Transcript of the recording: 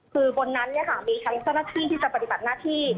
คือบนนั้นมีทั้งเจ้าหน้าที่ที่จะปฏิบัติหน้าที่